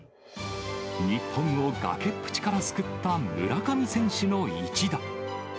日本を崖っぷちから救った村上選手の一打。